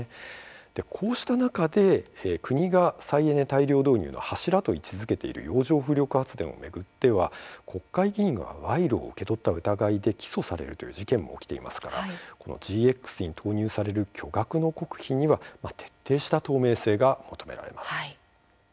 こうした中、国が再エネ大量導入の柱と位置づけている洋上風力発電を巡っては国会議員が賄賂を受け取った疑いで起訴されるという事件も起きていますからＧＸに投入される巨額の国費には徹底した透明性が求められます。